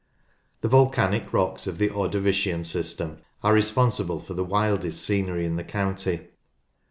The volcanic rocks of the Ordovician system are responsible for the wildest scenery in the county.